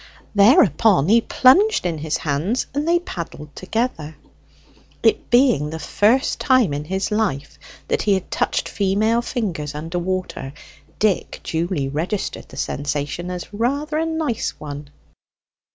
Thereupon he plunged in his hands, and they paddled together. It being the first time in his life that he had touched female fingers under water, Dick duly registered the sensation as rather a nice one.